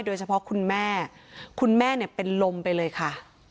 โดยเฉพาะคุณแม่คุณแม่เนี่ยเป็นลมไปเลยค่ะ